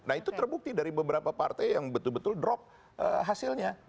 nah itu terbukti dari beberapa partai yang betul betul drop hasilnya